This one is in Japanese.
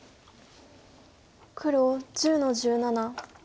黒１０の十七。